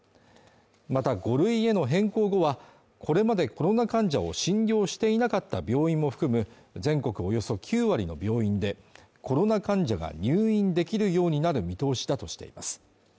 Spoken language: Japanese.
また５類への変更後は、これまでコロナ患者を診療していなかった病院も含む全国およそ９割の病院でコロナ患者が入院できるようになる見通しだとしています。